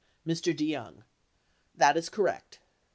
Mr. DeYoung. That is correct.